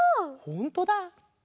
ほんとだ。